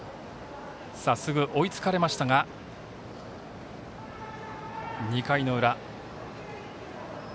すぐ追いつかれましたが２回の裏。